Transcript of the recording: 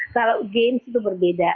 kalau games itu berbeda